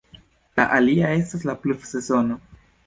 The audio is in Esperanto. La alia estas la pluvsezono.